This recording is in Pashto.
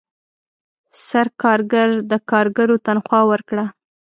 سرکارګر د کارګرو تنخواه ورکړه.